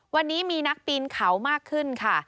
วันนี้มีนักปีนเขามากขึ้นค่ะ